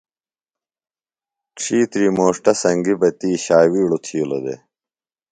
ڇِھیتری موݜٹہ سنگیۡ بہ تی ݜاوِیڑوۡ تِھیلوۡ دےۡ۔